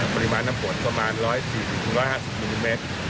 ปริมาณน้ำฝนประมาณ๑๔๑๕๐มิลลิเมตร